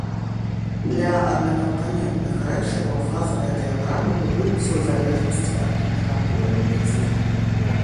Для аднакампанентных рэчываў фазавыя дыяграмы будуюцца ў залежнасці ад тэмпературы і ціску.